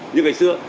như ngày xưa